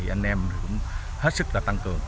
anh em hết sức tăng cường